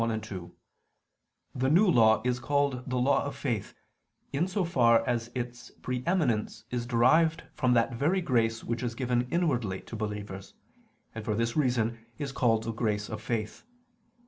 1, 2), the New Law is called the law of faith, in so far as its pre eminence is derived from that very grace which is given inwardly to believers, and for this reason is called the grace of faith.